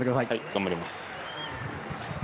頑張ります。